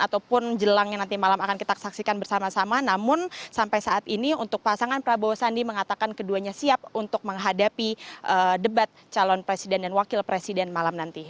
ataupun jelangnya nanti malam akan kita saksikan bersama sama namun sampai saat ini untuk pasangan prabowo sandi mengatakan keduanya siap untuk menghadapi debat calon presiden dan wakil presiden malam nanti